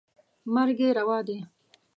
مرګ یې روا دی.